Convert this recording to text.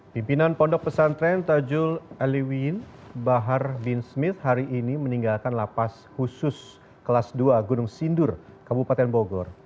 pimpinan pondok pesantren tajul aliwin bahar bin smith hari ini meninggalkan lapas khusus kelas dua gunung sindur kabupaten bogor